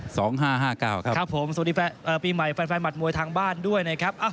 สวัสดีปีใหม่แฟนมัดมวยทางบ้านด้วยนะครับ